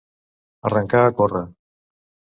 Arrencar a córrer.